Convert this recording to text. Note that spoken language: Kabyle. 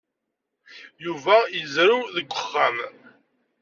Yuba yezrew deg uxxam.